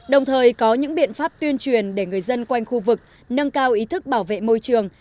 đồng thời có những biện pháp tuyên truyền để người dân quanh khu vực nâng cao ý thức bảo vệ môi trường